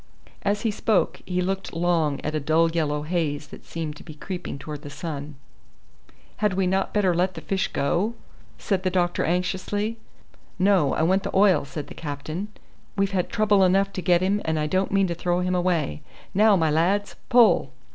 As he spoke he looked long at a dull yellow haze that seemed to be creeping towards the sun. "Had we not better let the fish go?" said the doctor anxiously. "No, I want the oil," said the captain. "We've had trouble enough to get him, and I don't mean to throw him away. Now, my lads, pull."